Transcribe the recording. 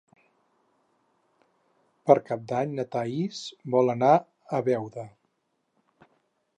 Per Cap d'Any na Thaís vol anar a Beuda.